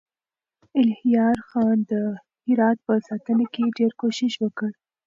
الهيار خان د هرات په ساتنه کې ډېر کوښښ وکړ.